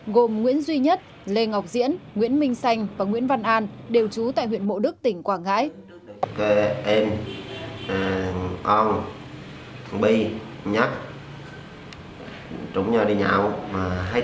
gồm nguyễn duy nhất lê ngọc diễn nguyễn minh xanh và nguyễn văn an đều trú tại huyện mộ đức tỉnh quảng ngãi